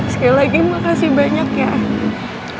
sekali lagi makasih banyak ya